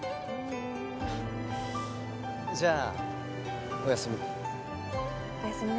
じゃあおやすみ。